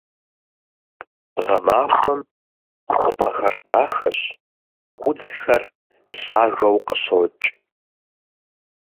Гъэмахуэм хъупӀэхэр дахэщ, удзхэр лъагэу къыщокӀ.